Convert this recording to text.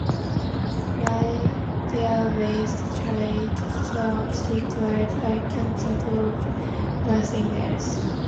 My dearest child, she cried, I can think of nothing else.